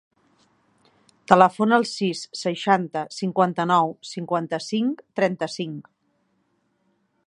Telefona al sis, seixanta, cinquanta-nou, cinquanta-cinc, trenta-cinc.